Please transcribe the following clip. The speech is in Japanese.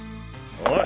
おい！